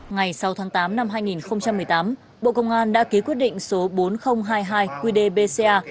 ngày sáu tháng tám năm hai nghìn một mươi tám bộ công an đã ký quyết định số bốn nghìn hai mươi hai qdbca